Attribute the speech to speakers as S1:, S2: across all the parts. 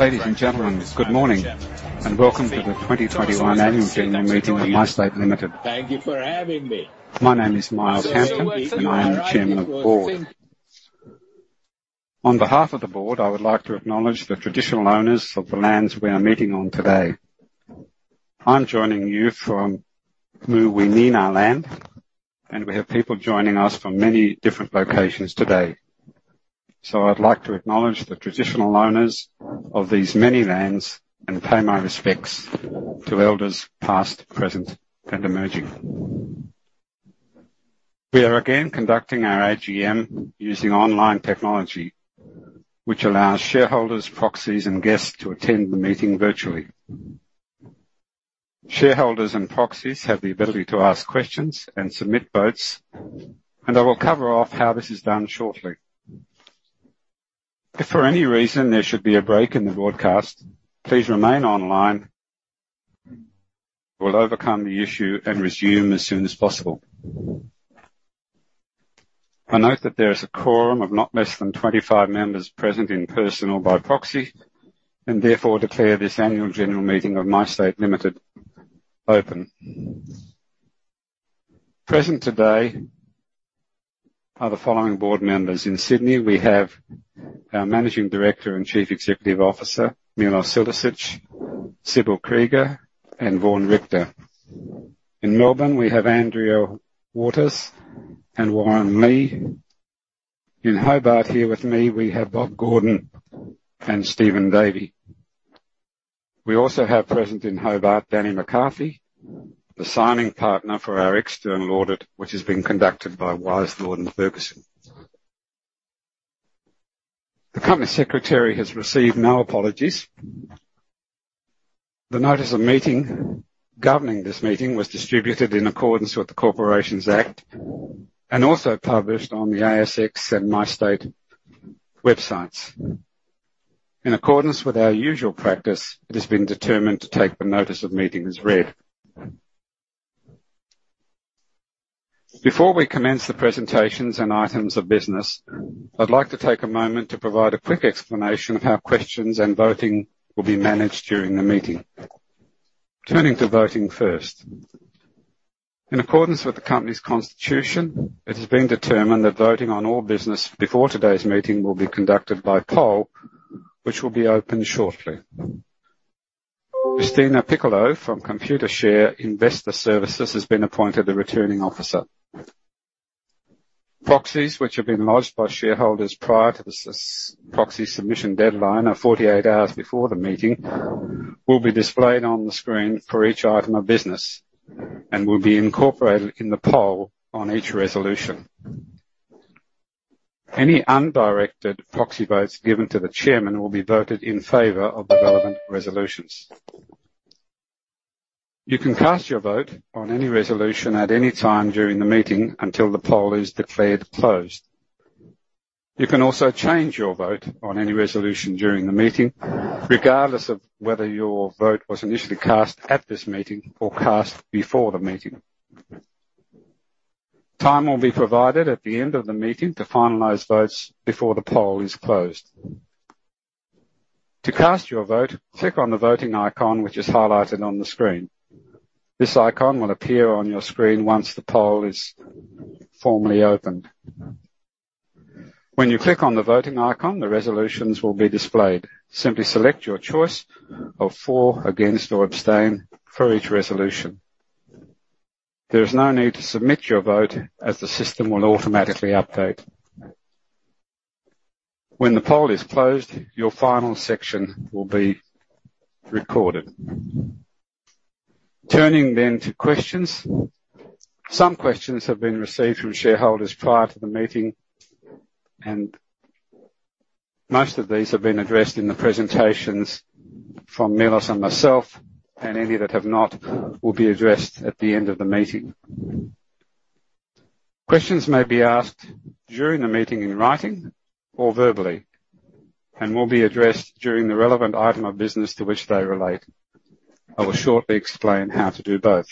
S1: Ladies and gentlemen, good morning, and welcome to the 2021 Annual General Meeting of MyState Limited. My name is Miles Hampton, and I am the Chairman of the Board. On behalf of the board, I would like to acknowledge the traditional owners of the lands we are meeting on today. I'm joining you from Muwinina land, and we have people joining us from many different locations today. I'd like to acknowledge the traditional owners of these many lands and pay my respects to elders past, present, and emerging. We are again conducting our AGM using online technology, which allows shareholders, proxies, and guests to attend the meeting virtually. Shareholders and proxies have the ability to ask questions and submit votes, and I will cover off how this is done shortly. If for any reason there should be a break in the broadcast, please remain online. We'll overcome the issue and resume as soon as possible. I note that there is a quorum of not less than 25 members present in person or by proxy, and therefore declare this annual general meeting of MyState Limited open. Present today are the following board members. In Sydney, we have our Managing Director and Chief Executive Officer, Melos Sulicich, Sibylle Krieger, and Vaughn Richtor. In Melbourne, we have Andrea Waters and Warren Lee. In Hobart here with me, we have Bob Gordon and Stephen Davy. We also have present in Hobart Danny McCarthy, the signing partner for our external audit, which is being conducted by Wise Lord and Ferguson. The company secretary has received no apologies. The notice of meeting governing this meeting was distributed in accordance with the Corporations Act and also published on the ASX and MyState websites. In accordance with our usual practice, it has been determined to take the notice of meeting as read. Before we commence the presentations and items of business, I'd like to take a moment to provide a quick explanation of how questions and voting will be managed during the meeting. Turning to voting first. In accordance with the company's constitution, it has been determined that voting on all business before today's meeting will be conducted by poll, which will be opened shortly. Christina Piccolo from Computershare Investor Services has been appointed the Returning Officer. Proxies which have been lodged by shareholders prior to the proxy submission deadline of 48 hours before the meeting will be displayed on the screen for each item of business and will be incorporated in the poll on each resolution. Any undirected proxy votes given to the chairman will be voted in favor of the relevant resolutions. You can cast your vote on any resolution at any time during the meeting until the poll is declared closed. You can also change your vote on any resolution during the meeting, regardless of whether your vote was initially cast at this meeting or cast before the meeting. Time will be provided at the end of the meeting to finalize votes before the poll is closed. To cast your vote, click on the voting icon, which is highlighted on the screen. This icon will appear on your screen once the poll is formally opened. When you click on the voting icon, the resolutions will be displayed. Simply select your choice of For, Against, or Abstain for each resolution. There is no need to submit your vote as the system will automatically update. When the poll is closed, your final section will be recorded. Turning to questions. Some questions have been received from shareholders prior to the meeting, and most of these have been addressed in the presentations from Melos and myself, and any that have not, will be addressed at the end of the meeting. Questions may be asked during the meeting in writing or verbally, and will be addressed during the relevant item of business to which they relate. I will shortly explain how to do both.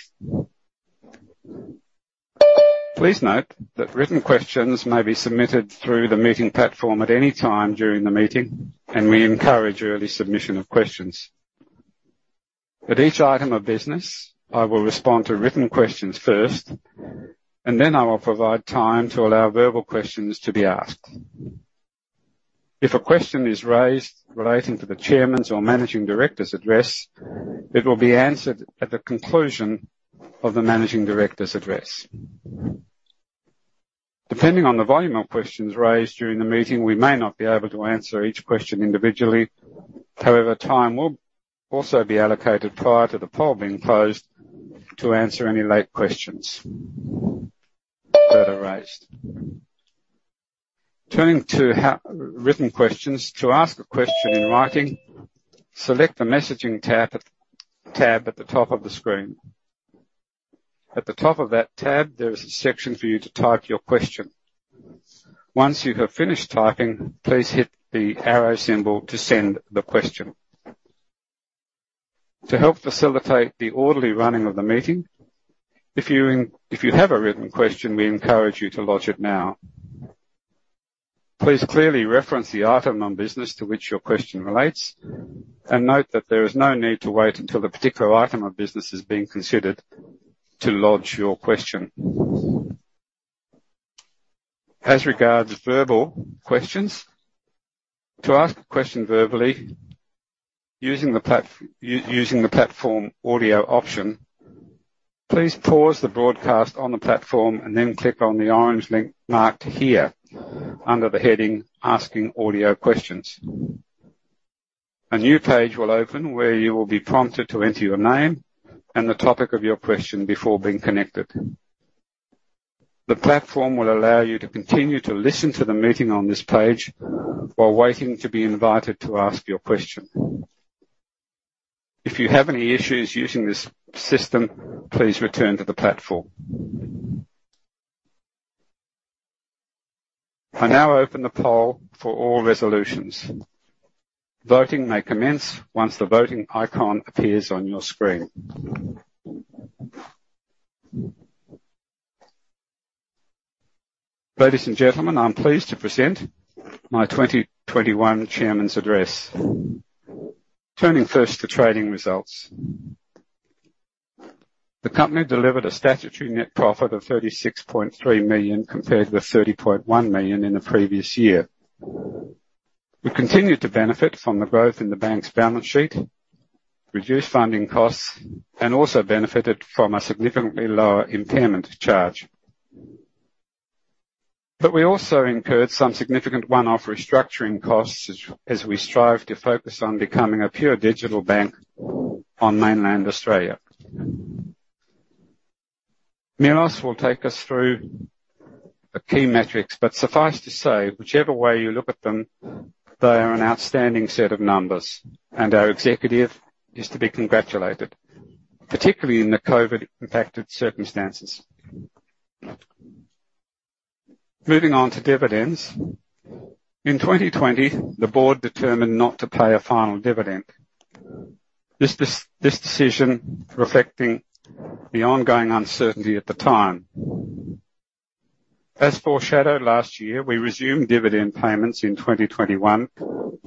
S1: Please note that written questions may be submitted through the meeting platform at any time during the meeting, and we encourage early submission of questions. At each item of business, I will respond to written questions first, and then I will provide time to allow verbal questions to be asked. If a question is raised relating to the chairman's or managing director's address, it will be answered at the conclusion of the managing director's address. Depending on the volume of questions raised during the meeting, we may not be able to answer each question individually. However, time will also be allocated prior to the poll being closed to answer any late questions that are raised. Turning to written questions. To ask a question in writing, select the Messaging tab at the top of the screen. At the top of that tab, there is a section for you to type your question. Once you have finished typing, please hit the arrow symbol to send the question. To help facilitate the orderly running of the meeting, if you have a written question, we encourage you to lodge it now. Please clearly reference the item on business to which your question relates, and note that there is no need to wait until the particular item of business is being considered to lodge your question. As regards verbal questions, to ask a question verbally using the platform audio option, please pause the broadcast on the platform and then click on the orange link marked "Here" under the heading "Asking Audio Questions." A new page will open where you will be prompted to enter your name and the topic of your question before being connected. The platform will allow you to continue to listen to the meeting on this page while waiting to be invited to ask your question. If you have any issues using this system, please return to the platform. I now open the poll for all resolutions. Voting may commence once the voting icon appears on your screen. Ladies and gentlemen, I am pleased to present my 2021 Chairman's address. Turning first to trading results. The company delivered a statutory net profit of 36.3 million, compared to the 30.1 million in the previous year. We continued to benefit from the growth in the bank's balance sheet, reduced funding costs, and also benefited from a significantly lower impairment charge. We also incurred some significant one-off restructuring costs as we strive to focus on becoming a pure digital bank on mainland Australia. Melos will take us through the key metrics, but suffice to say, whichever way you look at them, they are an outstanding set of numbers, and our executive is to be congratulated, particularly in the COVID impacted circumstances. Moving on to dividends. In 2020, the board determined not to pay a final dividend. This decision reflecting the ongoing uncertainty at the time. As foreshadowed last year, we resumed dividend payments in 2021,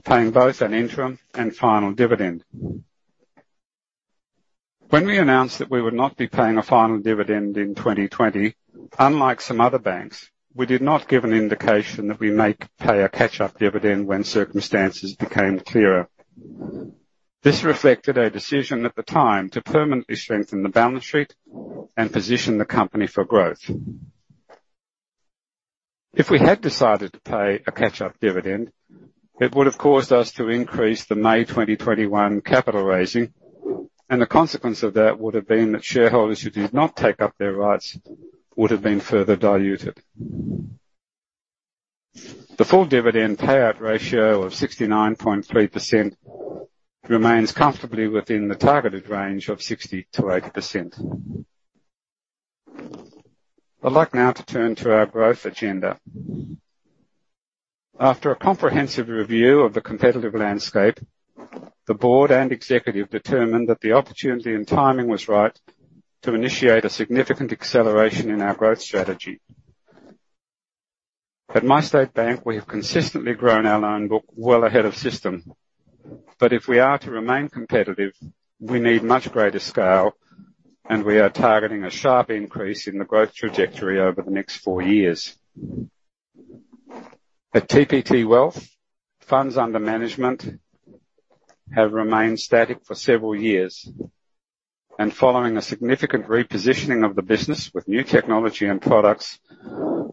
S1: paying both an interim and final dividend. When we announced that we would not be paying a final dividend in 2020, unlike some other banks, we did not give an indication that we may pay a catch-up dividend when circumstances became clearer. This reflected a decision at the time to permanently strengthen the balance sheet and position the company for growth. If we had decided to pay a catch-up dividend, it would have caused us to increase the May 2021 capital raising, and the consequence of that would have been that shareholders who did not take up their rights would have been further diluted. The full dividend payout ratio of 69.3% remains comfortably within the targeted range of 60%-80%. I'd like now to turn to our growth agenda. After a comprehensive review of the competitive landscape, the board and executive determined that the opportunity and timing was right to initiate a significant acceleration in our growth strategy. At MyState Bank, we have consistently grown our loan book well ahead of system. If we are to remain competitive, we need much greater scale, and we are targeting a sharp increase in the growth trajectory over the next four years. At TPT Wealth, funds under management have remained static for several years. Following a significant repositioning of the business with new technology and products,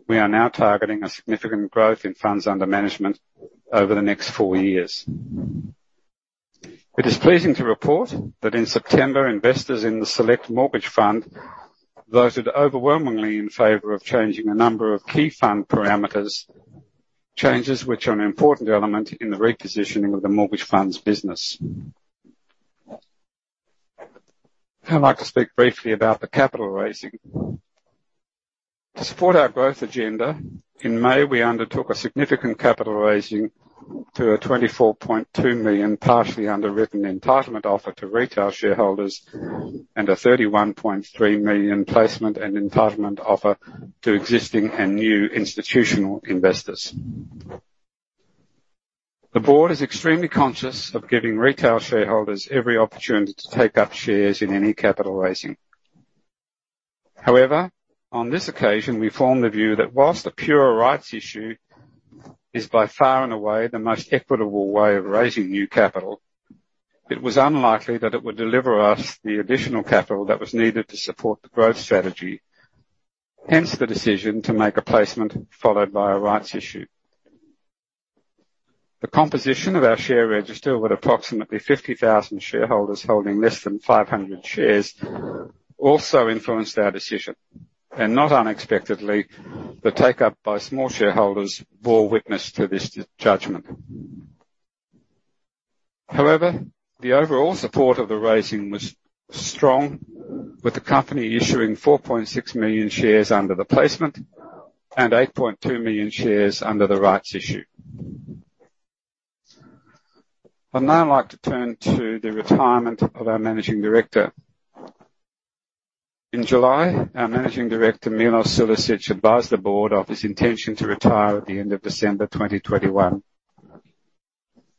S1: we are now targeting a significant growth in funds under management over the next four years. It is pleasing to report that in September, investors in the TPT Select Mortgage Fund voted overwhelmingly in favor of changing a number of key fund parameters, changes which are an important element in the repositioning of the mortgage fund's business. I'd like to speak briefly about the capital raising. To support our growth agenda, in May, we undertook a significant capital raising to a 24.2 million, partially underwritten entitlement offer to retail shareholders and a 31.3 million placement and entitlement offer to existing and new institutional investors. The board is extremely conscious of giving retail shareholders every opportunity to take up shares in any capital raising. On this occasion, we formed the view that whilst the pure rights issue is by far and away the most equitable way of raising new capital, it was unlikely that it would deliver us the additional capital that was needed to support the growth strategy. Hence, the decision to make a placement followed by a rights issue. The composition of our share register, with approximately 50,000 shareholders holding less than 500 shares, also influenced our decision, and not unexpectedly, the take-up by small shareholders bore witness to this judgment. The overall support of the raising was strong, with the company issuing 4.6 million shares under the placement and 8.2 million shares under the rights issue. I'd now like to turn to the retirement of our managing director. In July, our managing director, Melos Sulicich, advised the board of his intention to retire at the end of December 2021.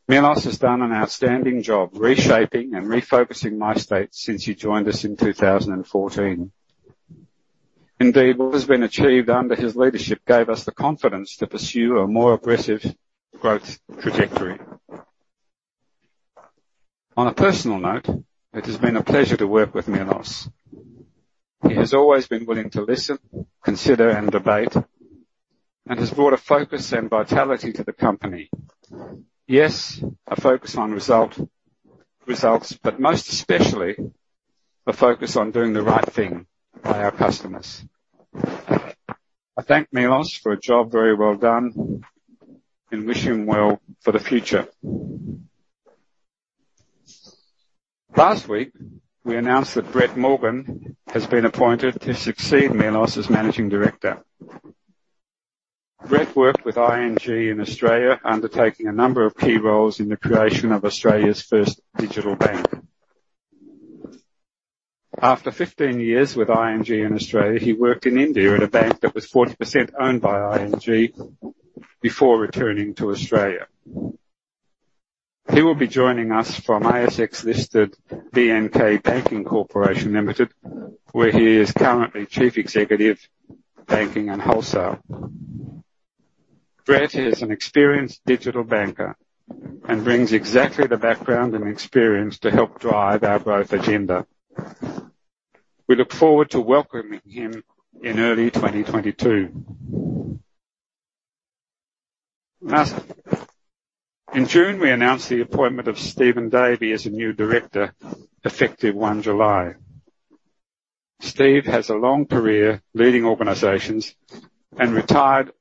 S1: Melos has done an outstanding job reshaping and refocusing MyState since he joined us in 2014. What has been achieved under his leadership gave us the confidence to pursue a more aggressive growth trajectory. On a personal note, it has been a pleasure to work with Melos. He has always been willing to listen, consider, and debate, and has brought a focus and vitality to the company. A focus on results, but most especially, a focus on doing the right thing by our customers. I thank Melos for a job very well done and wish him well for the future. Last week, we announced that Brett Morgan has been appointed to succeed Melos as managing director. Brett worked with ING in Australia, undertaking a number of key roles in the creation of Australia's first digital bank. After 15 years with ING in Australia, he worked in India in a bank that was 40% owned by ING before returning to Australia. He will be joining us from ASX-listed BNK Banking Corporation Limited, where he is currently chief executive, banking and wholesale. Brett is an experienced digital banker and brings exactly the background and experience to help drive our growth agenda. We look forward to welcoming him in early 2022. In June, we announced the appointment of Stephen Davy as a new director, effective 1 July. Steve has a long career leading organizations and retired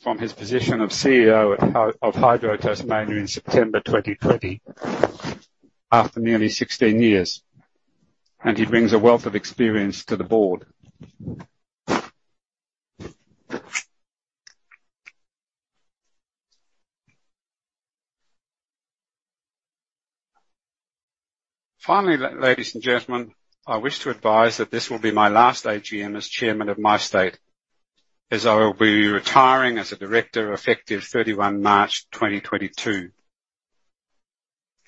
S1: from his position of CEO of Hydro Tasmania in September 2020, after nearly 16 years, and he brings a wealth of experience to the board. Finally, ladies and gentlemen, I wish to advise that this will be my last AGM as chairman of MyState, as I will be retiring as a director effective 31 March 2022.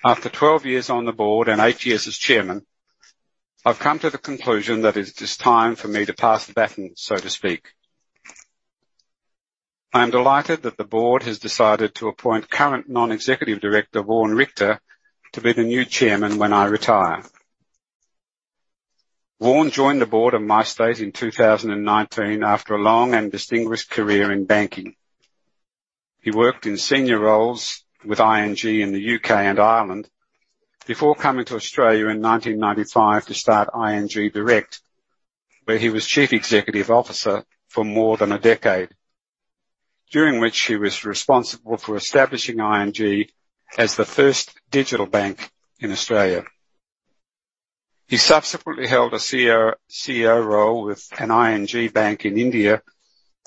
S1: After 12 years on the board and eight years as chairman, I've come to the conclusion that it is time for me to pass the baton, so to speak. I am delighted that the board has decided to appoint current non-executive director, Vaughn Richtor, to be the new chairman when I retire. Vaughn joined the board of MyState in 2019 after a long and distinguished career in banking. He worked in senior roles with ING in the U.K. and Ireland before coming to Australia in 1995 to start ING Direct, where he was Chief Executive Officer for more than a decade, during which he was responsible for establishing ING as the first digital bank in Australia. He subsequently held a CEO role with an ING bank in India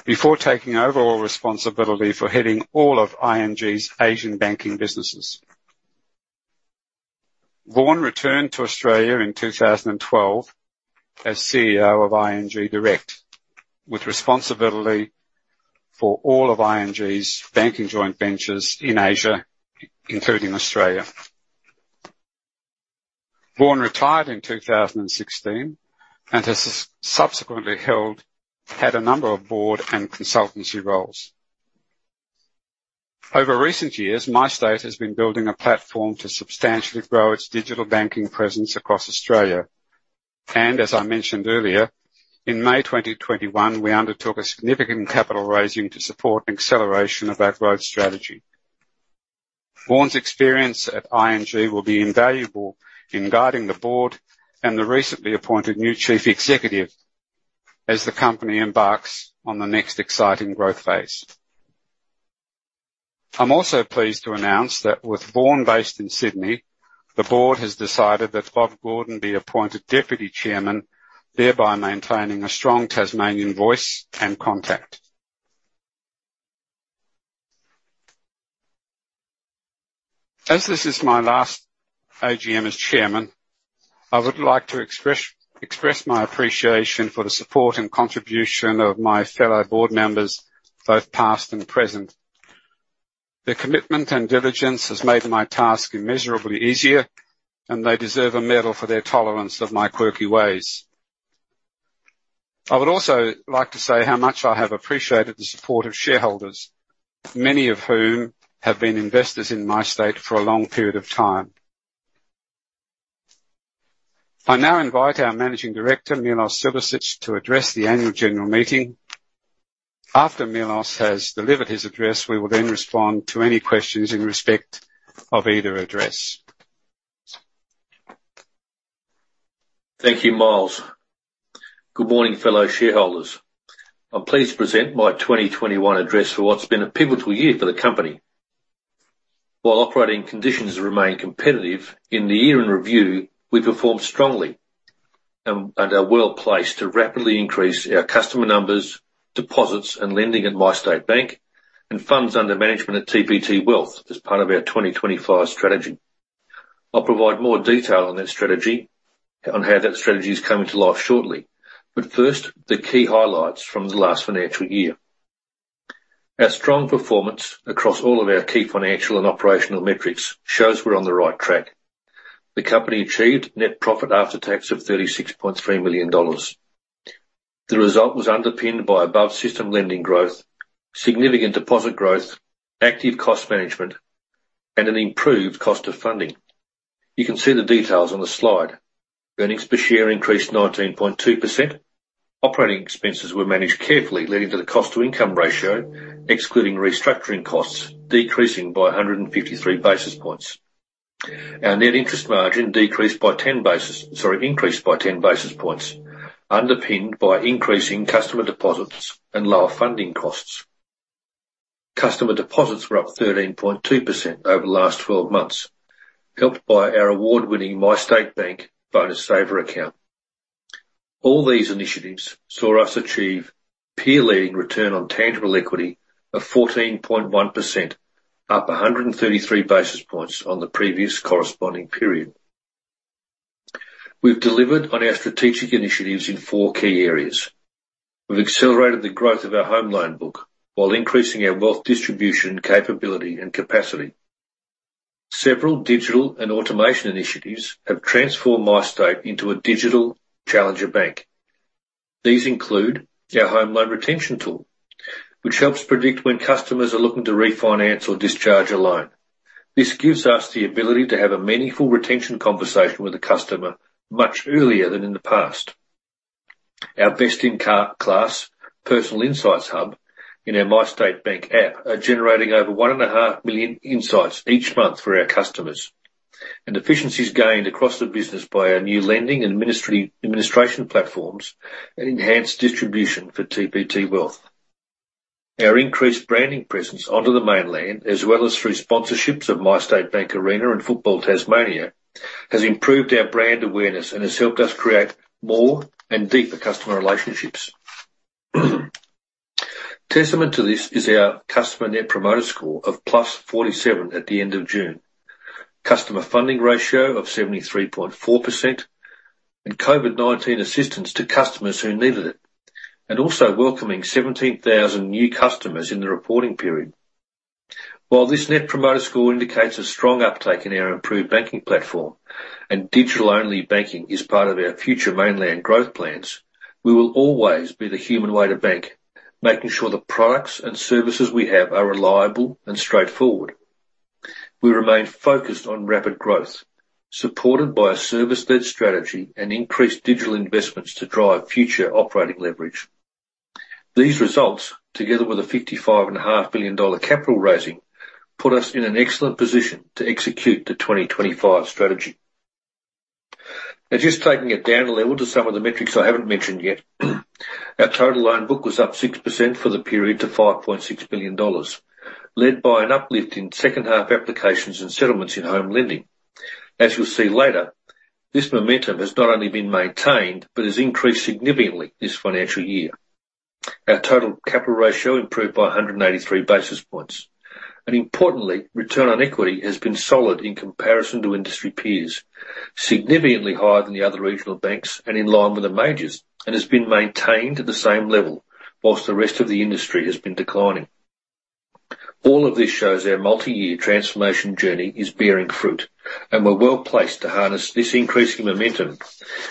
S1: before taking overall responsibility for heading all of ING's Asian banking businesses. Vaughn returned to Australia in 2012 as CEO of ING Direct, with responsibility for all of ING's banking joint ventures in Asia, including Australia. Vaughn retired in 2016 and has subsequently had a number of board and consultancy roles. Over recent years, MyState has been building a platform to substantially grow its digital banking presence across Australia. As I mentioned earlier, in May 2021, we undertook a significant capital raising to support an acceleration of our growth strategy. Vaughn's experience at ING will be invaluable in guiding the board and the recently appointed new Chief Executive as the company embarks on the next exciting growth phase. I'm also pleased to announce that with Vaughn based in Sydney, the board has decided that Bob Gordon be appointed Deputy Chairman, thereby maintaining a strong Tasmanian voice and contact. As this is my last AGM as Chairman, I would like to express my appreciation for the support and contribution of my fellow board members, both past and present. Their commitment and diligence has made my task immeasurably easier, and they deserve a medal for their tolerance of my quirky ways. I would also like to say how much I have appreciated the support of shareholders, many of whom have been investors in MyState for a long period of time. I now invite our Managing Director, Melos Sulicich, to address the annual general meeting. After Melos has delivered his address, we will then respond to any questions in respect of either address.
S2: Thank you, Miles. Good morning, fellow shareholders. I'm pleased to present my 2021 address for what's been a pivotal year for the company. While operating conditions remain competitive, in the year in review, we performed strongly and are well placed to rapidly increase our customer numbers, deposits, and lending at MyState Bank and funds under management at TPT Wealth as part of our 2025 strategy. I'll provide more detail on how that strategy is coming to life shortly, but first, the key highlights from the last financial year. Our strong performance across all of our key financial and operational metrics shows we're on the right track. The company achieved net profit after tax of 36.3 million dollars. The result was underpinned by above-system lending growth, significant deposit growth, active cost management, and an improved cost of funding. You can see the details on the slide. Earnings per share increased 19.2%. Operating expenses were managed carefully, leading to the cost-to-income ratio, excluding restructuring costs, decreasing by 153 basis points. Our net interest margin increased by 10 basis points, underpinned by increasing customer deposits and lower funding costs. Customer deposits were up 13.2% over the last 12 months, helped by our award-winning MyState Bank Bonus Saver account. All these initiatives saw us achieve peer-leading return on tangible equity of 14.1%, up 133 basis points on the previous corresponding period. We've delivered on our strategic initiatives in four key areas. We've accelerated the growth of our home loan book while increasing our wealth distribution capability and capacity. Several digital and automation initiatives have transformed MyState into a digital challenger bank. These include our home loan retention tool, which helps predict when customers are looking to refinance or discharge a loan. This gives us the ability to have a meaningful retention conversation with the customer much earlier than in the past. Our best-in-class personal insights hub in our MyState Bank app are generating over 1.5 million insights each month for our customers. Efficiencies gained across the business by our new lending and administration platforms and enhanced distribution for TPT Wealth. Our increased branding presence onto the mainland, as well as through sponsorships of MyState Bank Arena and Football Tasmania, has improved our brand awareness and has helped us create more and deeper customer relationships. Testament to this is our customer Net Promoter Score of +47 at the end of June, customer funding ratio of 73.4%, and COVID-19 assistance to customers who needed it, and also welcoming 17,000 new customers in the reporting period. While this Net Promoter Score indicates a strong uptake in our improved banking platform and digital-only banking is part of our future mainland growth plans, we will always be the human way to bank, making sure the products and services we have are reliable and straightforward. We remain focused on rapid growth, supported by a service-led strategy and increased digital investments to drive future operating leverage. These results, together with a 55.5 billion dollar capital raising, put us in an excellent position to execute the 2025 strategy. Now, just taking it down a level to some of the metrics I haven't mentioned yet. Our total loan book was up 6% for the period to 5.6 billion dollars, led by an uplift in second-half applications and settlements in home lending. As you'll see later, this momentum has not only been maintained but has increased significantly this financial year. Our total capital ratio improved by 183 basis points. Importantly, return on equity has been solid in comparison to industry peers, significantly higher than the other regional banks and in line with the majors, and has been maintained at the same level while the rest of the industry has been declining. All of this shows our multi-year transformation journey is bearing fruit, and we're well placed to harness this increasing momentum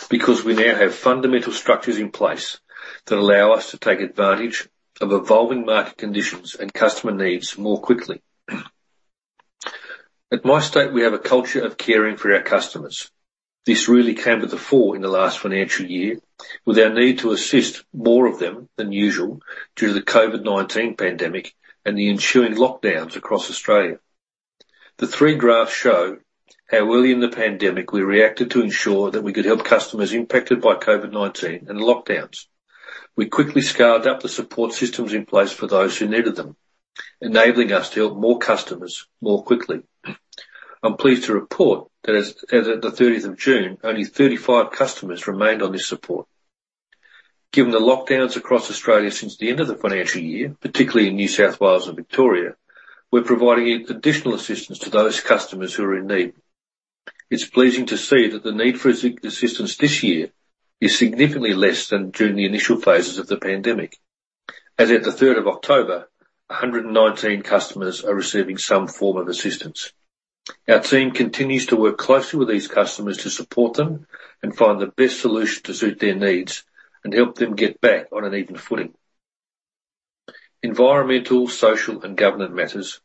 S2: because we now have fundamental structures in place that allow us to take advantage of evolving market conditions and customer needs more quickly. At MyState, we have a culture of caring for our customers. This really came to the fore in the last financial year with our need to assist more of them than usual due to the COVID-19 pandemic and the ensuing lockdowns across Australia. The three graphs show how early in the pandemic we reacted to ensure that we could help customers impacted by COVID-19 and lockdowns. We quickly scaled up the support systems in place for those who needed them, enabling us to help more customers more quickly. I'm pleased to report that as at the 30th of June, only 35 customers remained on this support. Given the lockdowns across Australia since the end of the financial year, particularly in New South Wales and Victoria, we're providing additional assistance to those customers who are in need. It's pleasing to see that the need for assistance this year is significantly less than during the initial phases of the pandemic. As at the 3rd of October, 119 customers are receiving some form of assistance. Our team continues to work closely with these customers to support them and find the best solution to suit their needs and help them get back on an even footing. Environmental, social, and governance matters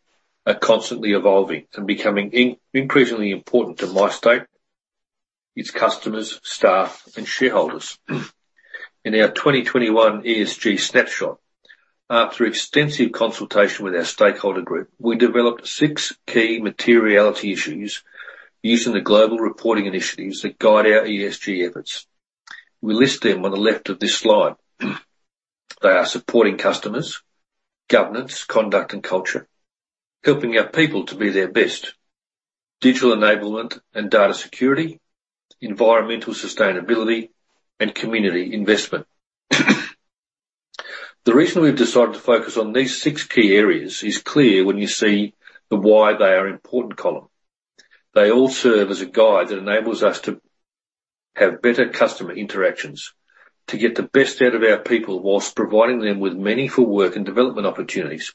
S2: are constantly evolving and becoming increasingly important to MyState, its customers, staff, and shareholders. In our 2021 ESG snapshot, after extensive consultation with our stakeholder group, we developed six key materiality issues using the global reporting initiatives that guide our ESG efforts. We list them on the left of this slide. They are supporting customers, governance, conduct, and culture, helping our people to be their best, Digital enablement and data security, Environmental sustainability, and Community investment. The reason we've decided to focus on these six key areas is clear when you see the why they are important column. They all serve as a guide that enables us to have better customer interactions, to get the best out of our people whilst providing them with meaningful work and development opportunities,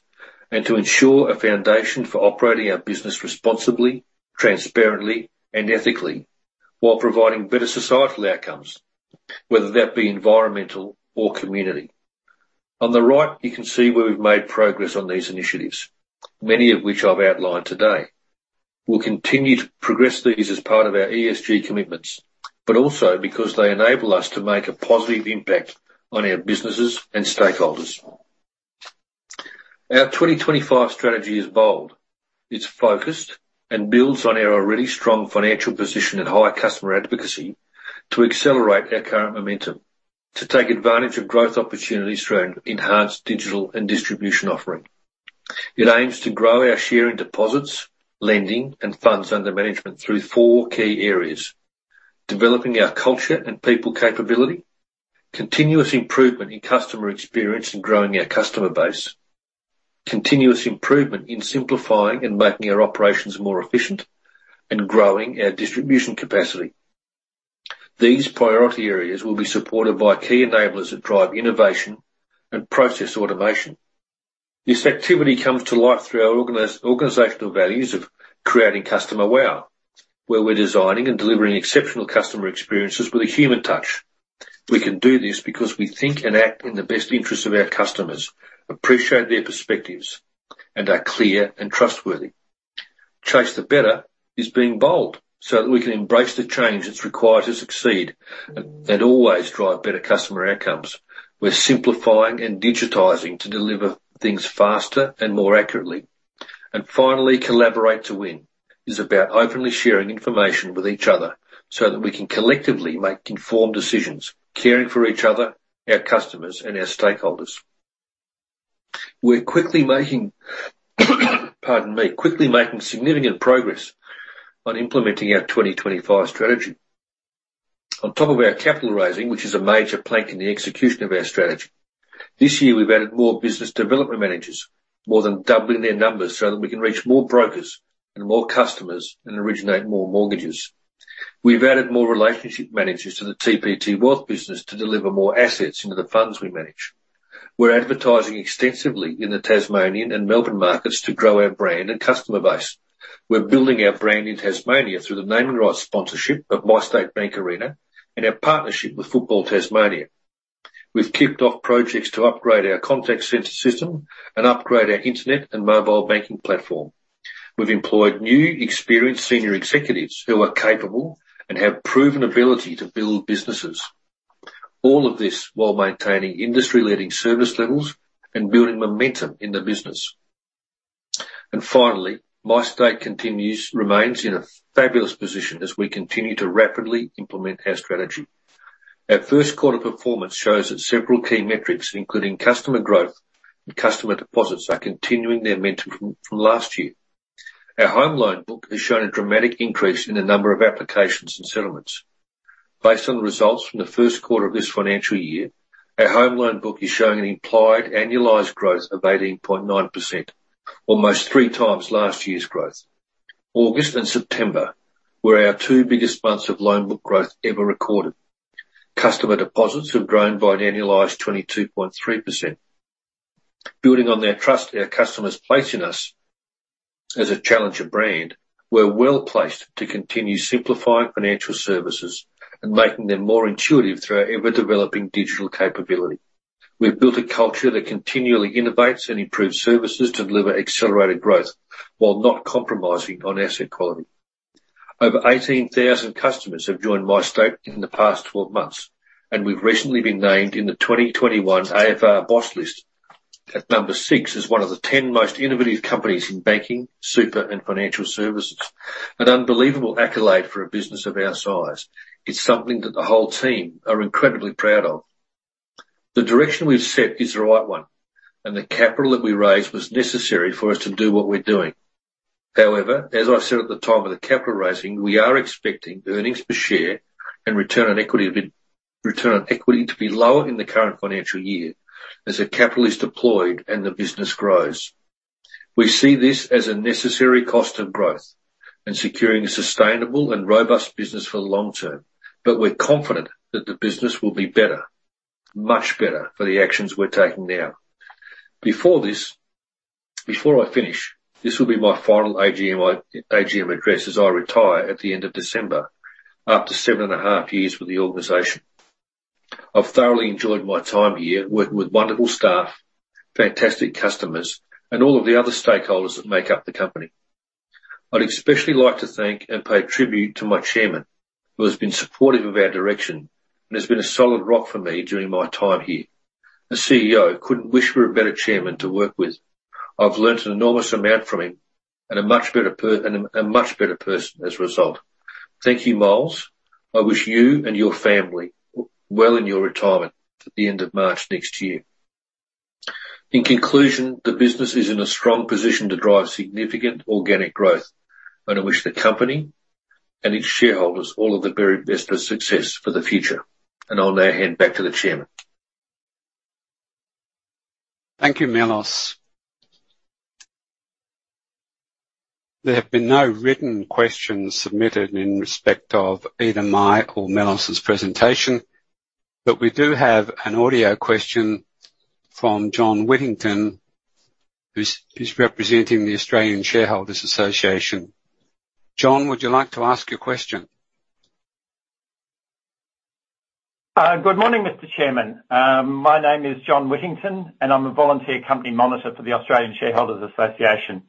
S2: and to ensure a foundation for operating our business responsibly, transparently, and ethically, while providing better societal outcomes, whether that be environmental or community. On the right, you can see where we've made progress on these initiatives, many of which I've outlined today. We'll continue to progress these as part of our ESG commitments, but also because they enable us to make a positive impact on our businesses and stakeholders. Our 2025 strategy is bold. It's focused and builds on our already strong financial position and high customer advocacy to accelerate our current momentum to take advantage of growth opportunities through an enhanced digital and distribution offering. It aims to grow our share in deposits, lending, and funds under management through four key areas: developing our culture and people capability, continuous improvement in customer experience, and growing our customer base, continuous improvement in simplifying and making our operations more efficient, and growing our distribution capacity. These priority areas will be supported by key enablers that drive innovation and process automation. This activity comes to life through our organizational values of creating customer wow, where we are designing and delivering exceptional customer experiences with a human touch. We can do this because we think and act in the best interests of our customers, appreciate their perspectives, and are clear and trustworthy. Chase the better is being bold so that we can embrace the change that is required to succeed and always drive better customer outcomes. We are simplifying and digitizing to deliver things faster and more accurately. Finally, collaborate to win is about openly sharing information with each other so that we can collectively make informed decisions, caring for each other, our customers, and our stakeholders. We're quickly making significant progress on implementing our 2025 strategy. On top of our capital raising, which is a major plank in the execution of our strategy, this year we've added more business development managers, more than doubling their numbers, so that we can reach more brokers and more customers and originate more mortgages. We've added more relationship managers to the TPT Wealth business to deliver more assets into the funds we manage. We're advertising extensively in the Tasmanian and Melbourne markets to grow our brand and customer base. We're building our brand in Tasmania through the naming rights sponsorship of MyState Bank Arena and our partnership with Football Tasmania. We've kicked off projects to upgrade our contact center system and upgrade our internet and mobile banking platform. We've employed new, experienced senior executives who are capable and have proven ability to build businesses. All of this while maintaining industry-leading service levels and building momentum in the business. Finally, MyState remains in a fabulous position as we continue to rapidly implement our strategy. Our first quarter performance shows that several key metrics, including customer growth and customer deposits, are continuing their momentum from last year. Our home loan book has shown a dramatic increase in the number of applications and settlements. Based on the results from the first quarter of this financial year, our home loan book is showing an implied annualized growth of 18.9%, almost three times last year's growth. August and September were our two biggest months of loan book growth ever recorded. Customer deposits have grown by an annualized 22.3%. Building on their trust, our customers place in us as a challenger brand. We're well-placed to continue simplifying financial services and making them more intuitive through our ever-developing digital capability. We've built a culture that continually innovates and improves services to deliver accelerated growth while not compromising on asset quality. Over 18,000 customers have joined MyState in the past 12 months, and we've recently been named in the 2021 AFR Boss list at number six as one of the 10 most innovative companies in banking, super, and financial services. An unbelievable accolade for a business of our size. It's something that the whole team are incredibly proud of. The direction we've set is the right one, and the capital that we raised was necessary for us to do what we're doing. However, as I said at the time of the capital raising, we are expecting earnings per share and return on equity to be lower in the current financial year as the capital is deployed and the business grows. We see this as a necessary cost of growth and securing a sustainable and robust business for the long term. We're confident that the business will be better, much better, for the actions we're taking now. Before I finish, this will be my final AGM address as I retire at the end of December after seven and a half years with the organization. I've thoroughly enjoyed my time here, working with wonderful staff, fantastic customers, and all of the other stakeholders that make up the company. I'd especially like to thank and pay tribute to my Chairman, who has been supportive of our direction and has been a solid rock for me during my time here. The CEO couldn't wish for a better Chairman to work with. I've learned an enormous amount from him and a much better person as a result. Thank you, Miles. I wish you and your family, well in your retirement at the end of March next year. In conclusion, the business is in a strong position to drive significant organic growth. I wish the company and its shareholders all of the very best of success for the future. I'll now hand back to the Chairman.
S1: Thank you, Melos. There have been no written questions submitted in respect of either my or Melos's presentation, but we do have an audio question from John Whittington, who's representing the Australian Shareholders' Association. John, would you like to ask your question?
S3: Good morning, Mr. Chairman. My name is John Whittington. I'm a volunteer company monitor for the Australian Shareholders' Association.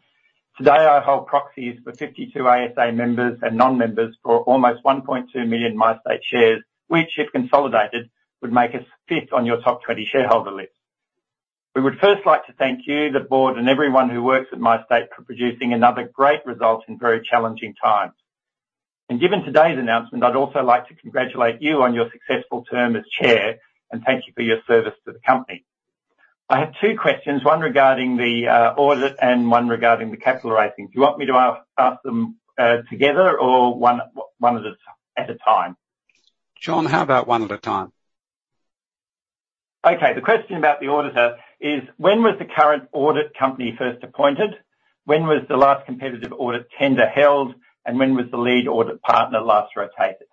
S3: Today, I hold proxies for 52 ASA members and non-members for almost 1.2 million MyState shares, which, if consolidated, would make us fifth on your top 20 shareholder list. We would first like to thank you, the board, and everyone who works at MyState for producing another great result in very challenging times. Given today's announcement, I'd also like to congratulate you on your successful term as Chair and thank you for your service to the company. I have two questions, one regarding the audit and one regarding the capital raising. Do you want me to ask them together or one at a time?
S1: John, how about one at a time?
S3: Okay. The question about the auditor is: When was the current audit company first appointed? When was the last competitive audit tender held? When was the lead audit partner last rotated?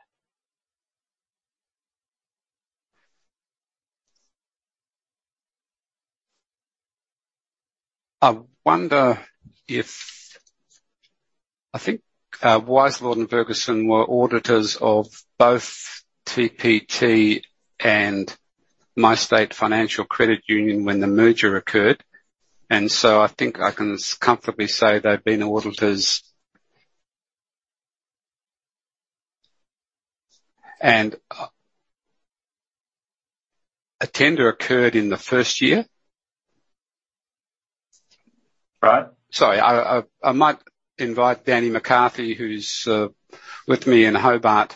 S1: I wonder if I think Wise Lord & Ferguson were auditors of both TPT and MyState Financial Credit Union when the merger occurred, I think I can comfortably say they've been auditors. A tender occurred in the first year.
S3: Right.
S1: Sorry, I might invite Danny McCarthy, who's with me in Hobart,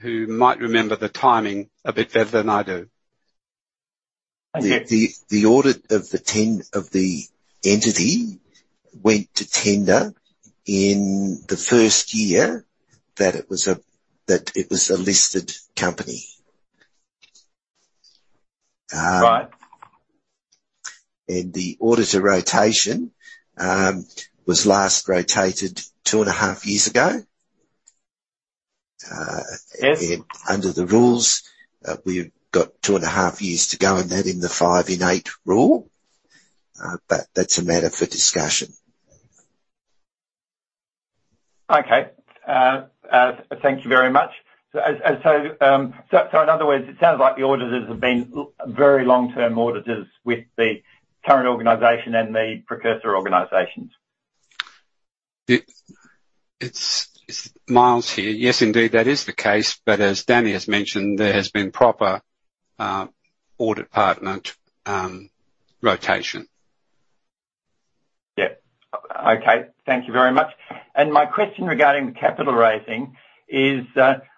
S1: who might remember the timing a bit better than I do.
S3: Okay.
S4: The audit of the term of the entity went to tender in the first year that it was a listed company.
S3: Right.
S4: The auditor rotation, was last rotated two and a half years ago.
S3: Yes.
S4: Under the rules, we've got two and a half years to go in that, in the five in eight rule. That's a matter for discussion.
S3: Okay. Thank you very much. In other words, it sounds like the auditors have been very long-term auditors with the current organization and the precursor organizations.
S1: It's Miles here. Yes, indeed, that is the case, but as Danny has mentioned, there has been proper audit partner rotation.
S3: Yeah. Okay. Thank you very much. My question regarding the capital raising is,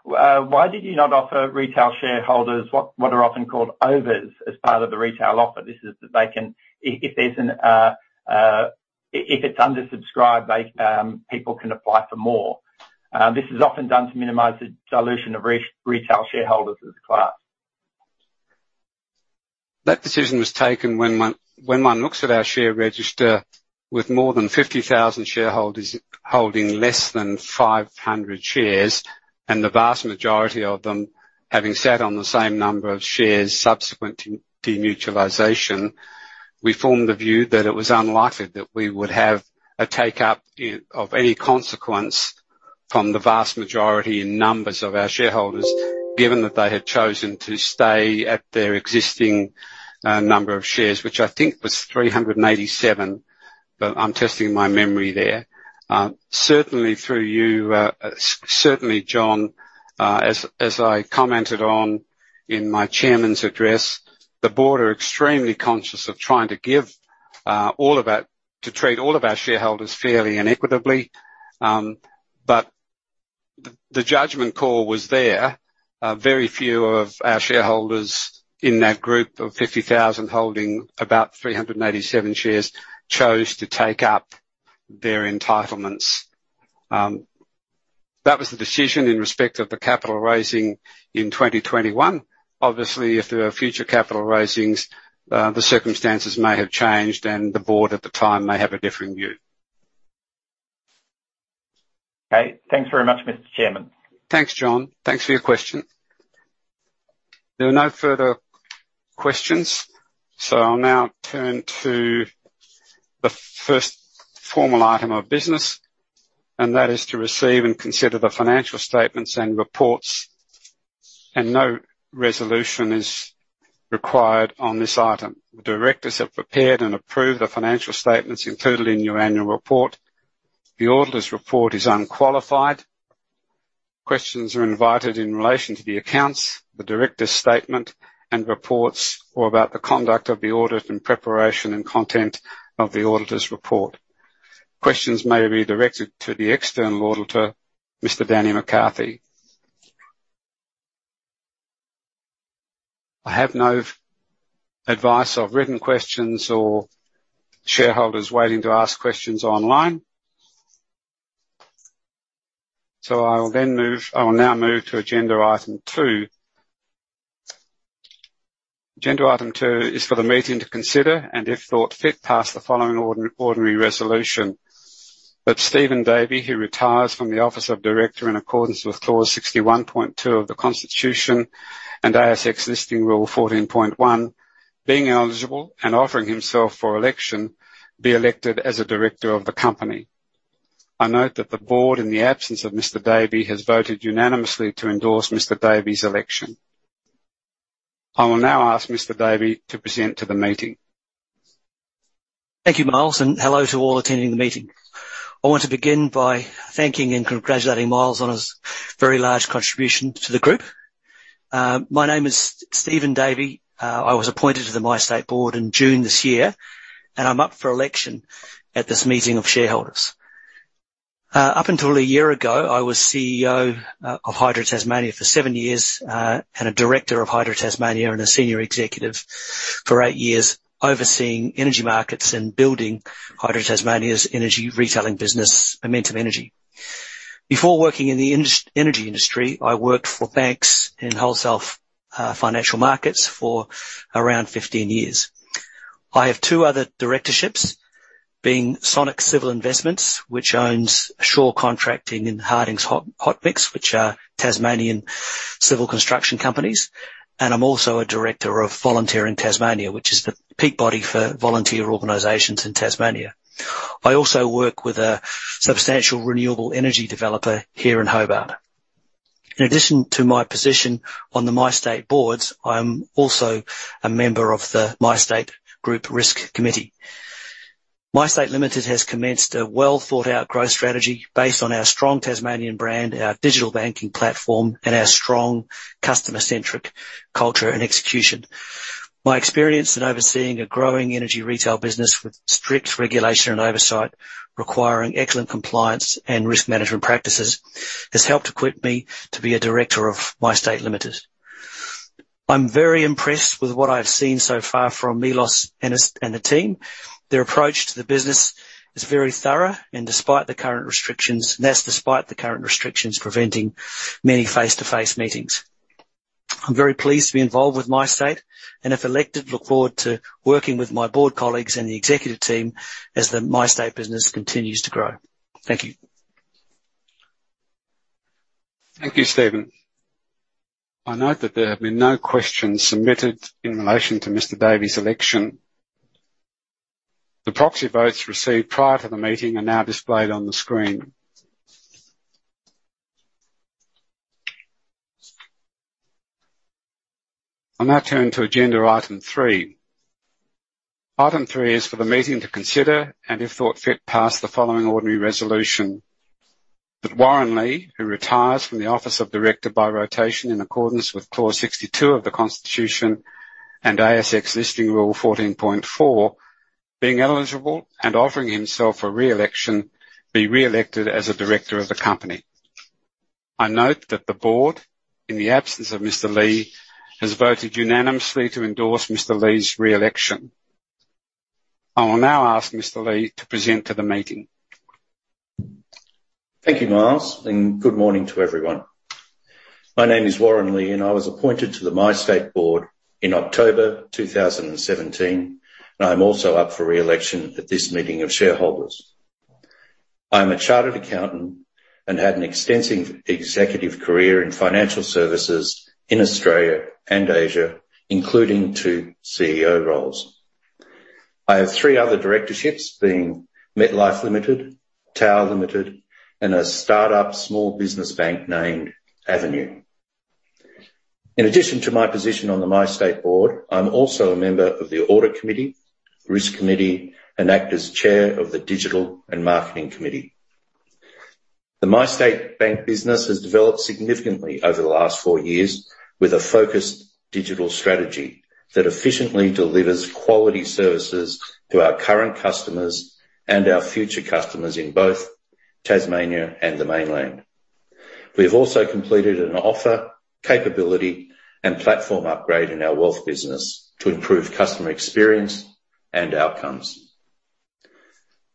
S3: why did you not offer retail shareholders what are often called overs as part of the retail offer? This is that they can. If it's undersubscribed, people can apply for more. This is often done to minimize the dilution of retail shareholders as a class.
S1: That decision was taken when one, when one looks at our share register with more than 50,000 shareholders holding less than 500 shares, and the vast majority of them having sat on the same number of shares subsequent to demutualization, we formed the view that it was unlikely that we would have a take-up of any consequence from the vast majority in numbers of our shareholders, given that they had chosen to stay at their existing number of shares, which I think was 387, but I'm testing my memory there. Certainly through you, certainly John, as I commented on in my Chairman's address, the board are extremely conscious of trying to treat all of our shareholders fairly and equitably. The judgment call was there. Very few of our shareholders in that group of 50,000 holding about 387 shares chose to take up their entitlements. That was the decision in respect of the capital raising in 2021. Obviously, if there are future capital raisings, the circumstances may have changed, and the board at the time may have a differing view.
S3: Okay. Thanks very much, Mr. Chairman.
S1: Thanks, John. Thanks for your question. There are no further questions. I'll now turn to the 1st formal item of business, and that is to receive and consider the financial statements and reports, and no resolution is required on this item. The directors have prepared and approved the financial statements included in your annual report. The auditor's report is unqualified. Questions are invited in relation to the accounts, the directors' statement and reports, or about the conduct of the audit and preparation and content of the auditor's report. Questions may be directed to the external auditor, Mr. Danny McCarthy. I have no advice of written questions or shareholders waiting to ask questions online. I will now move to agenda Item 2. Agenda Item 2 is for the meeting to consider, and if thought fit, pass the following ordinary resolution. That Stephen Davy, who retires from the office of director in accordance with clause 61.2 of the Constitution and ASX Listing Rule 14.1, being eligible and offering himself for election, be elected as a director of the company. I note that the board, in the absence of Mr. Davy, has voted unanimously to endorse Mr. Davy's election. I will now ask Mr. Davy to present to the meeting.
S5: Thank you, Miles. Hello to all attending the meeting. I want to begin by thanking and congratulating Miles on his very large contribution to the group. My name is Stephen Davy. I was appointed to the MyState Board in June this year, and I'm up for election at this meeting of shareholders. Up until a year ago, I was CEO of Hydro Tasmania for seven years, and a director of Hydro Tasmania and a senior executive for eight years, overseeing energy markets and building Hydro Tasmania's energy retailing business, Momentum Energy. Before working in the energy industry, I worked for banks in wholesale financial markets for around 15 years. I have two other directorships, being Sonic Civil Investments, which owns Shaw Contracting and Hardings Hotmix, which are Tasmanian civil construction companies. I'm also a director of Volunteering Tasmania, which is the peak body for volunteer organizations in Tasmania. I also work with a substantial renewable energy developer here in Hobart. In addition to my position on the MyState boards, I am also a member of the MyState Group Risk Committee. MyState Limited has commenced a well-thought-out growth strategy based on our strong Tasmanian brand, our digital banking platform, and our strong customer-centric culture and execution. My experience in overseeing a growing energy retail business with strict regulation and oversight requiring excellent compliance and risk management practices has helped equip me to be a director of MyState Limited. I'm very impressed with what I've seen so far from Melos and the team. Their approach to the business is very thorough, despite the current restrictions preventing many face-to-face meetings. I'm very pleased to be involved with MyState, and if elected, look forward to working with my board colleagues and the executive team as the MyState business continues to grow. Thank you.
S1: Thank you, Stephen. I note that there have been no questions submitted in relation to Mr. Davy's election. The proxy votes received prior to the meeting are now displayed on the screen. I now turn to agenda Item 3. Item 3 is for the meeting to consider, and if thought fit, pass the following ordinary resolution. That Warren Lee, who retires from the office of director by rotation in accordance with clause 62 of the Constitution and ASX Listing Rule 14.4, being eligible and offering himself for re-election, be re-elected as a director of the company. I note that the board, in the absence of Mr. Lee, has voted unanimously to endorse Mr. Lee's re-election. I will now ask Mr. Lee to present to the meeting.
S6: Thank you, Miles, and good morning to everyone. My name is Warren Lee, and I was appointed to the MyState board in October 2017, and I'm also up for re-election at this meeting of shareholders. I am a chartered accountant and had an extensive executive career in financial services in Australia and Asia, including two CEO roles. I have three other directorships, being MetLife Limited, Tower Limited, and a start-up small business bank named Avenue. In addition to my position on the MyState board, I'm also a member of the audit committee, risk committee, and act as chair of the digital and marketing committee. The MyState Bank business has developed significantly over the last four years with a focused digital strategy that efficiently delivers quality services to our current customers and our future customers in both Tasmania and the mainland. We have also completed an offer, capability, and platform upgrade in our wealth business to improve customer experience and outcomes.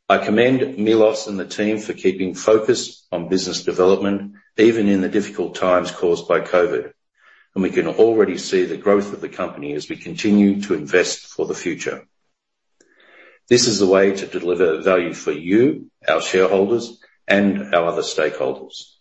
S6: I commend Melos and the team for keeping focused on business development, even in the difficult times caused by COVID, and we can already see the growth of the company as we continue to invest for the future. This is the way to deliver value for you, our shareholders, and our other stakeholders.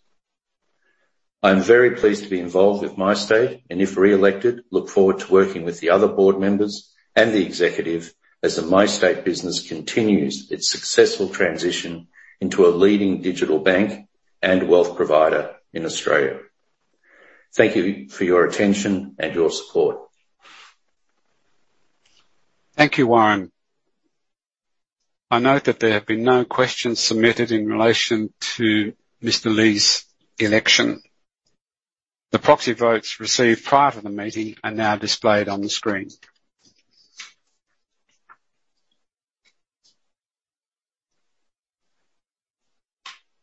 S6: I'm very pleased to be involved with MyState, and if re-elected, look forward to working with the other board members and the executive as the MyState business continues its successful transition into a leading digital bank and wealth provider in Australia. Thank you for your attention and your support.
S1: Thank you, Warren. I note that there have been no questions submitted in relation to Mr. Lee's election. The proxy votes received prior to the meeting are now displayed on the screen.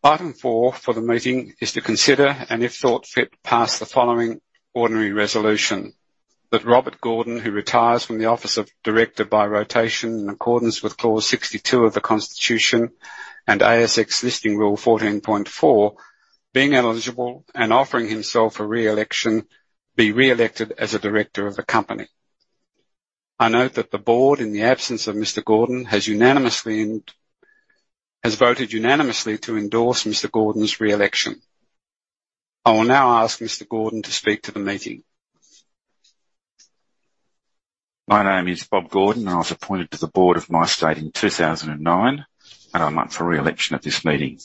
S1: Item 4 for the meeting is to consider, and if thought fit, pass the following ordinary resolution. That Robert Gordon, who retires from the office of director by rotation in accordance with Clause 62 of the Constitution and ASX Listing Rule 14.4, being eligible and offering himself for re-election, be re-elected as a director of the company. I note that the Board, in the absence of Mr. Gordon, has voted unanimously to endorse Mr. Gordon's re-election. I will now ask Mr. Gordon to speak to the meeting.
S7: My name is Bob Gordon, and I was appointed to the board of MyState in 2009, and I'm up for re-election at this meeting.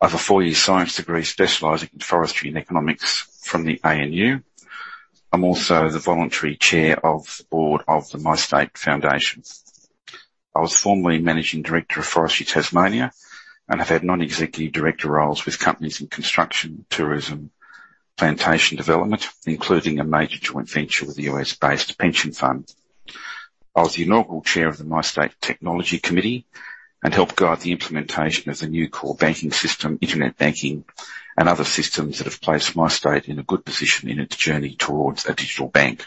S7: I've a four-year science degree specializing in forestry and economics from the ANU. I'm also the voluntary chair of the board of the MyState Foundation. I was formerly managing director of Forestry Tasmania and have had non-executive director roles with companies in construction, tourism, plantation development, including a major joint venture with a U.S.-based pension fund. I was the inaugural chair of the MyState Technology Committee and helped guide the implementation of the new core banking system, internet banking, and other systems that have placed MyState in a good position in its journey towards a digital bank.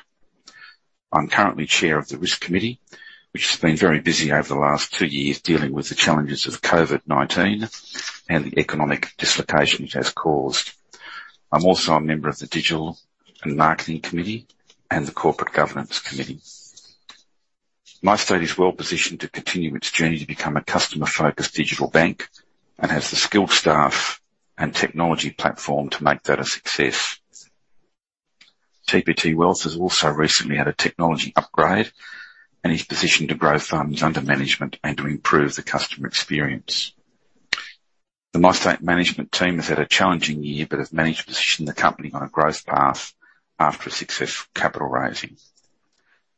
S7: I'm currently chair of the risk committee, which has been very busy over the last two years dealing with the challenges of COVID-19 and the economic dislocation it has caused. I'm also a member of the digital and marketing committee and the corporate governance committee. MyState is well positioned to continue its journey to become a customer-focused digital bank and has the skilled staff and technology platform to make that a success. TPT Wealth has also recently had a technology upgrade and is positioned to grow funds under management and to improve the customer experience. The MyState management team has had a challenging year but have managed to position the company on a growth path after a successful capital raising.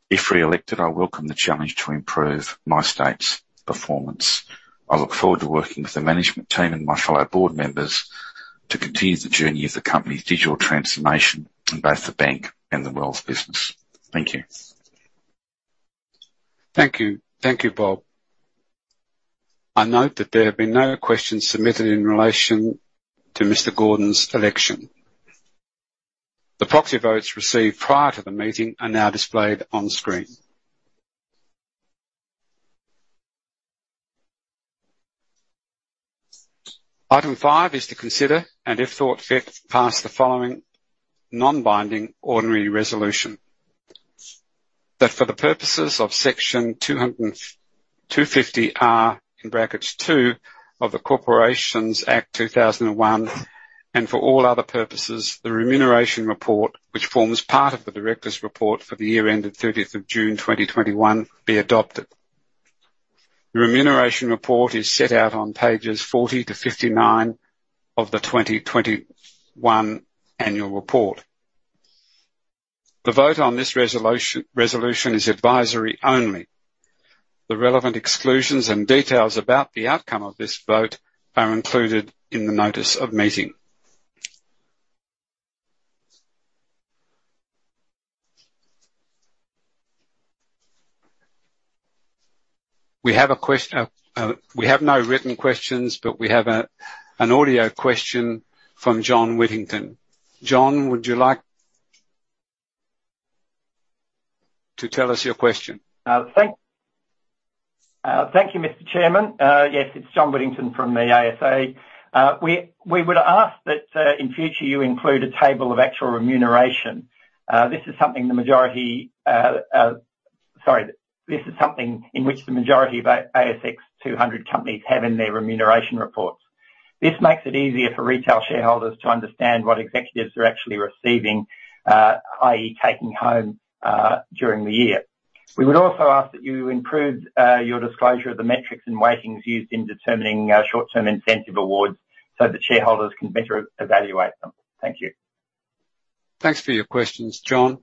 S7: If re-elected, I welcome the challenge to improve MyState's performance. I look forward to working with the management team and my fellow board members to continue the journey of the company's digital transformation in both the bank and the wealth business. Thank you.
S1: Thank you, Bob. I note that there have been no questions submitted in relation to Mr. Gordon's election. The proxy votes received prior to the meeting are now displayed on screen. Item 5 is to consider, and if thought fit, pass the following non-binding ordinary resolution. That for the purposes of Section 250R(2) of the Corporations Act 2001, and for all other purposes, the remuneration report, which forms part of the director's report for the year ended 30th of June 2021, be adopted. The remuneration report is set out on Pages 40 to 59 of the 2021 annual report. The vote on this resolution is advisory only. The relevant exclusions and details about the outcome of this vote are included in the notice of meeting. We have no written questions, but we have an audio question from John Whittington. John, would you like to tell us your question?
S3: Thank you, Mr. Chairman. Yes, it's John Whittington from the ASA. We would ask that, in future, you include a table of actual remuneration. This is something in which the majority of ASX 200 companies have in their remuneration reports. This makes it easier for retail shareholders to understand what executives are actually receiving, i.e., taking home, during the year. We would also ask that you improve your disclosure of the metrics and weightings used in determining short-term incentive awards so that shareholders can better evaluate them. Thank you.
S1: Thanks for your questions, John.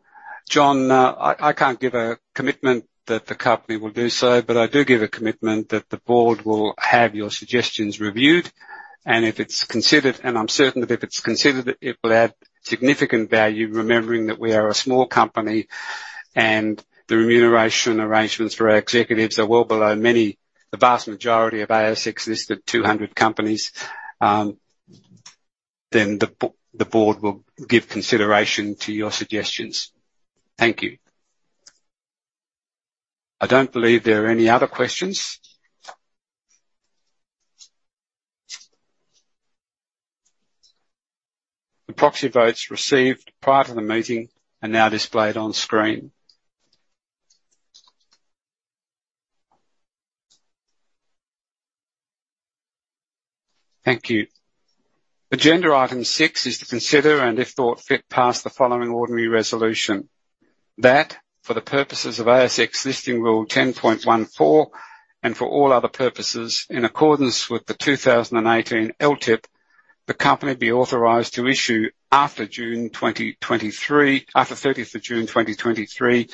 S1: John, I can't give a commitment that the company will do so. I do give a commitment that the board will have your suggestions reviewed, and if it's considered, and I'm certain that if it's considered, it will add significant value, remembering that we are a small company and the remuneration arrangements for our executives are well below many, the vast majority of ASX-listed 200 companies, then the board will give consideration to your suggestions. Thank you. I don't believe there are any other questions. The proxy votes received prior to the meeting are now displayed on screen. Thank you. Agenda Item 6 is to consider, and if thought fit, pass the following ordinary resolution. That for the purposes of ASX Listing Rule 10.14, and for all other purposes, in accordance with the 2018 LTIP, the company be authorized to issue after 30th of June 2023,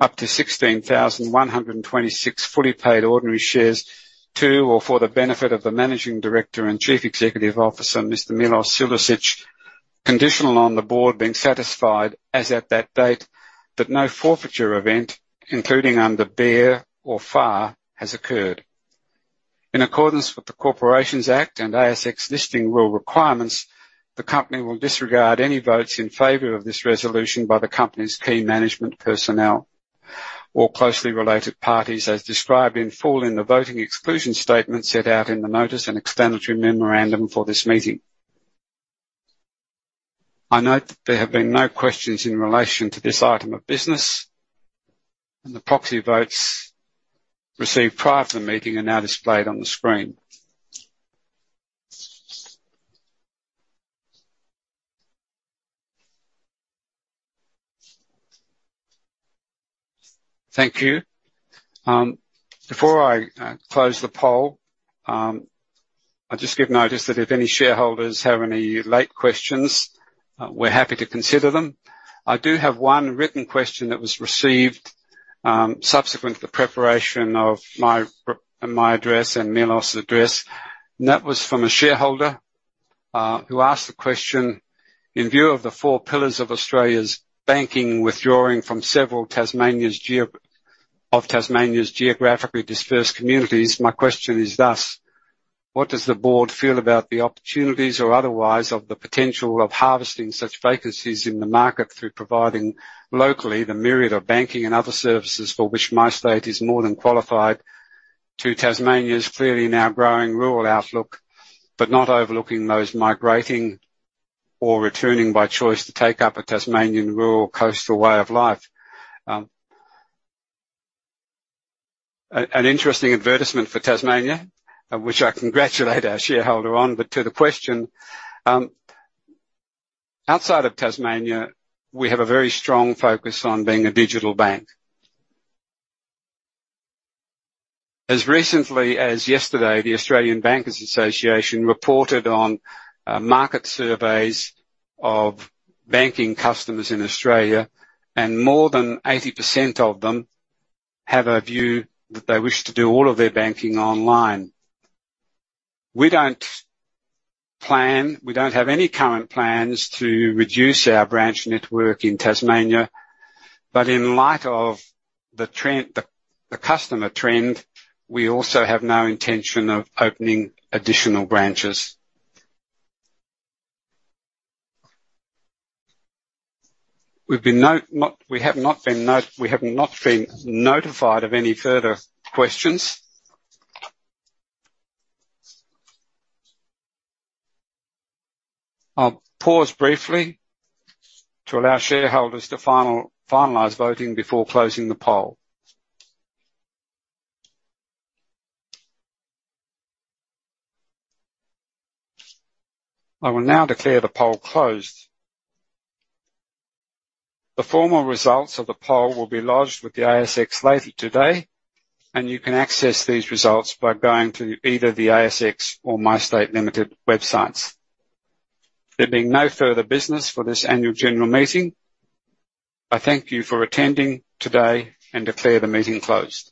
S1: up to 16,126 fully paid ordinary shares to or for the benefit of the Managing Director and Chief Executive Officer, Mr. Melos Sulicich. Conditional on the board being satisfied as at that date that no forfeiture event, including under BEAR or FAR, has occurred. In accordance with the Corporations Act and ASX Listing Rule requirements, the company will disregard any votes in favor of this resolution by the company's key management personnel or closely related parties, as described in full in the voting exclusion statement set out in the notice and explanatory memorandum for this meeting. I note that there have been no questions in relation to this item of business, and the proxy votes received prior to the meeting are now displayed on the screen. Thank you. Before I close the poll, I just give notice that if any shareholders have any late questions, we're happy to consider them. I do have one written question that was received subsequent to the preparation of my address and Melos' address, and that was from a shareholder, who asked the question: "In view of the four pillars of Australia's banking withdrawing from several of Tasmania's geographically dispersed communities, my question is thus: what does the board feel about the opportunities or otherwise of the potential of harvesting such vacancies in the market through providing locally the myriad of banking and other services for which MyState is more than qualified to Tasmania's clearly now growing rural outlook, but not overlooking those migrating or returning by choice to take up a Tasmanian rural coastal way of life?" An interesting advertisement for Tasmania, which I congratulate our shareholder on. To the question, outside of Tasmania, we have a very strong focus on being a digital bank. As recently as yesterday, the Australian Banking Association reported on market surveys of banking customers in Australia, and more than 80% of them have a view that they wish to do all of their banking online. We don't have any current plans to reduce our branch network in Tasmania, but in light of the customer trend, we also have no intention of opening additional branches. We have not been notified of any further questions. I'll pause briefly to allow shareholders to finalize voting before closing the poll. I will now declare the poll closed. The formal results of the poll will be lodged with the ASX later today, and you can access these results by going to either the ASX or MyState Limited websites. There being no further business for this annual general meeting, I thank you for attending today and declare the meeting closed.